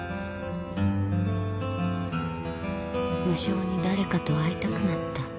無性に誰かと会いたくなった